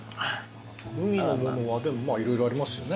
海のものはでも色々ありますよね。